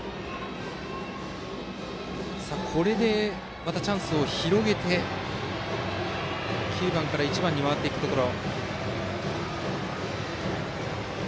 これでまたチャンスを広げて９番から１番に回るところ。